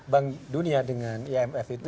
bank dunia dengan imf itu